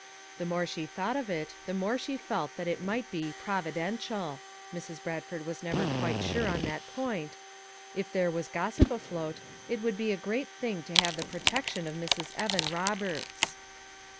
The more she thought of it the more she felt that it might be "Provi dential,"— Mrs. Bradford was never quite sure on that point — if there was gossip afloat, it would be a great thing to have the protection of Mrs. Evan Eoberts.